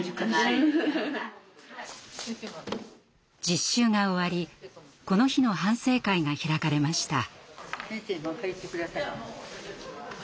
実習が終わりこの日の反省会が開かれました。